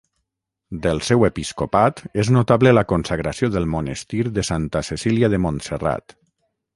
Del seu episcopat és notable la consagració del monestir de Santa Cecília de Montserrat.